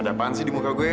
ada apaan sih di muka gue